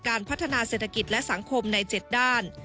พัฒนาเศรษฐกิจและสังคมใน๗ด้าน